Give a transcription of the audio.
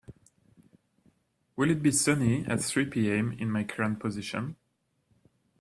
Will it be sunny at three pm in my current position